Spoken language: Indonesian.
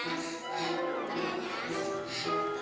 ntar lagi gua